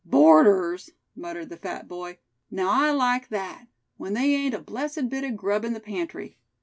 "Boarders!" muttered the fat boy; "now I like that, when they ain't a blessed bit of grub in the pantry.